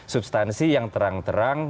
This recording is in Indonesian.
substansi yang terang terang